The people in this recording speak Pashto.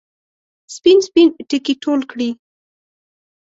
سپین، سپین ټکي ټول کړي